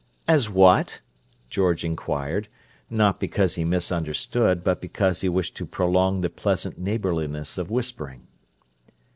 "As what?" George inquired, not because he misunderstood, but because he wished to prolong the pleasant neighbourliness of whispering.